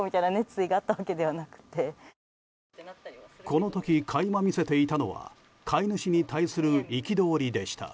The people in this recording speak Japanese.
この時、垣間見せていたのは飼い主に対する憤りでした。